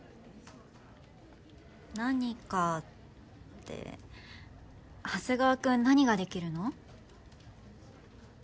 何かって長谷川君何ができるの？